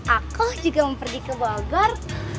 aku juga mau pergi ke bogor